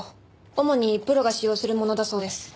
主にプロが使用するものだそうです。